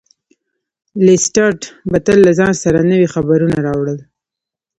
لیسټرډ به تل له ځان سره نوي خبرونه راوړل.